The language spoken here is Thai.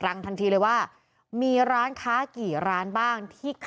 และก็คือว่าถึงแม้วันนี้จะพบรอยเท้าเสียแป้งจริงไหม